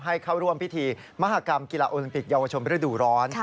ให้เข้าร่วมพิธีมหากรรมกีฬาโอลิมปิกเยาวชนฤดูร้อน